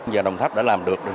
và đồng tháp đã làm được